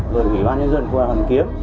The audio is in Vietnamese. rồi ủy ban nhân dân của hàn kiếp